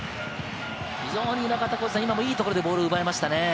いいところでボールを奪いましたね。